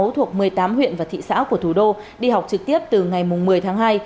thuộc một mươi tám huyện và thị xã của thủ đô đi học trực tiếp từ ngày một mươi tháng hai